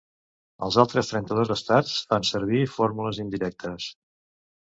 Els altres trenta-dos estats fan servir fórmules indirectes.